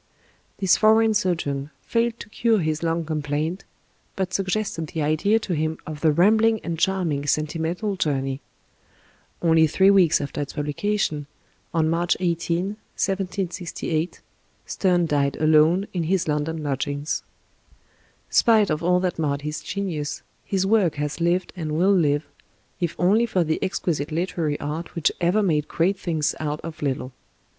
This foreign sojourn failed to cure his lung complaint, but suggested the idea to him of the rambling and charming "Sentimental Journey." Only three weeks after its publication, on March 18, 1768, Steme died alone in his London lodgings. Spite of all that marred his genius, his work has lived and will live, if only for the exquisite literary art which ever made great things out of little.